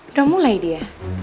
udah mulai dia